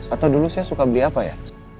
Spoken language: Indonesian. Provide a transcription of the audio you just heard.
atau dulu saya suka beli apa ya